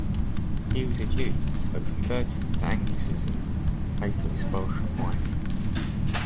He was a Jew, but converted to Anglicanism, the faith of his Welsh wife.